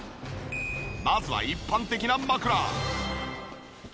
まずは一般的な枕。